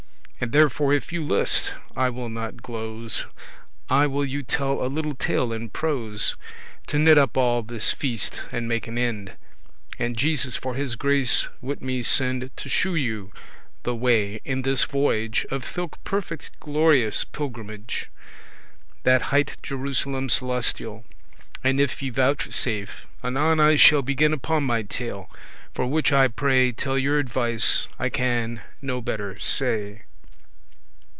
And therefore if you list, I will not glose,* *mince matters I will you tell a little tale in prose, To knit up all this feast, and make an end. And Jesus for his grace wit me send To shewe you the way, in this voyage, Of thilke perfect glorious pilgrimage, <2> That hight Jerusalem celestial. And if ye vouchesafe, anon I shall Begin upon my tale, for which I pray Tell your advice,* I can no better say.